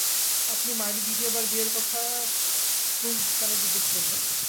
আপনি মারি দ্বিতীয় বার বিয়ের কথা কোন জিজ্ঞেস করলেন?